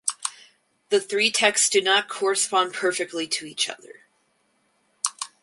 The three texts do not correspond perfectly to each other.